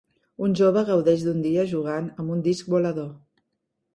un jove gaudeix d'un dia jugant amb un disc volador.